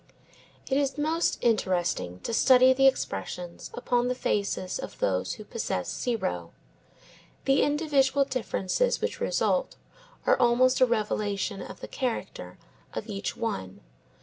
It is most interesting to study the expressions upon the faces of those who possess zero. The individual differences which result are almost a revelation of the "character" of each one.